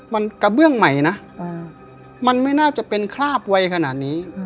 มันกระเบื้องใหม่นะมันไม่น่าจะเป็นคราบไวขนาดนี้